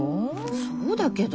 そうだけど。